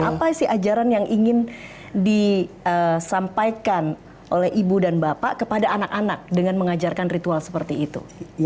apa sih ajaran yang ingin disampaikan oleh ibu dan bapak kepada anak anak dengan mengajarkan ritual seperti itu